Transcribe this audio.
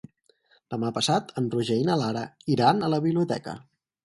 Demà passat en Roger i na Lara iran a la biblioteca.